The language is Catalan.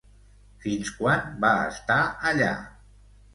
Fins quan va estar allà?